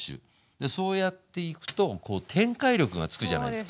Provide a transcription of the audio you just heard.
でそうやっていくとこう展開力がつくじゃないですか。